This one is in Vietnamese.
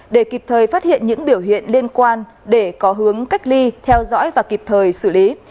để kịp thời phát hiện những biểu hiện liên quan để có hướng cách ly theo dõi và kịp thời xử lý